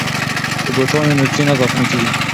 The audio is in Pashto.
که بوټان وي نو پښې نه زخمي کیږي.